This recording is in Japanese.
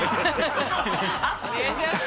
お願いします。